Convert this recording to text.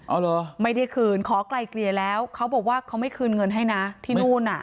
เอาเหรอไม่ได้คืนขอไกลเกลี่ยแล้วเขาบอกว่าเขาไม่คืนเงินให้นะที่นู่นอ่ะ